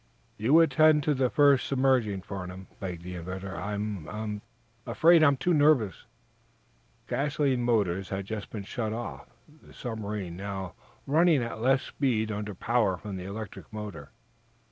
"You attend to the first submerging, Farnum," begged the inventor. "I I'm afraid I'm too nervous." The gasoline motor had just been shut off, the submarine now running at less speed under power from the electric motor.